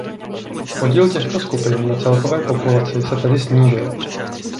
Podíl těchto skupin na celkové populaci se tedy snížil.